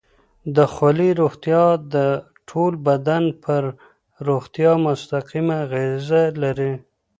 د خولې روغتیا د ټول بدن پر روغتیا مستقیمه اغېزه لري.